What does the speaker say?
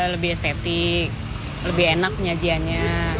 lebih estetik lebih enak penyajiannya